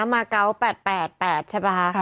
มาเกาะ๘๘ใช่ป่ะคะ